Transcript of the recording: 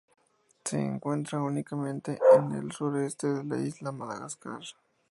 Se encuentra únicamente en el suroeste de la isla de Madagascar.